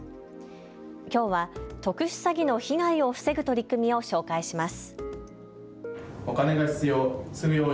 きょうは特殊詐欺の被害を防ぐ取り組みを紹介します。